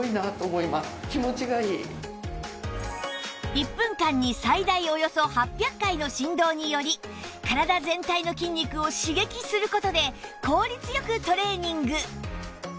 １分間に最大およそ８００回の振動により体全体の筋肉を刺激する事で効率よくトレーニング！